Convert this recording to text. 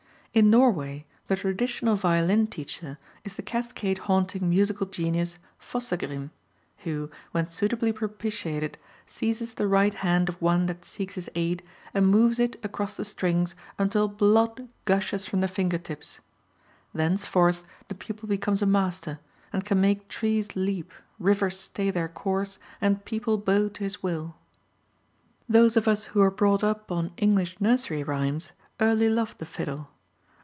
In Norway the traditional violin teacher is the cascade haunting musical genius Fossegrim, who, when suitably propitiated, seizes the right hand of one that seeks his aid and moves it across the strings until blood gushes from the finger tips. Thenceforth the pupil becomes a master, and can make trees leap, rivers stay their course and people bow to his will. Those of us who were brought up on English nursery rhymes early loved the fiddle.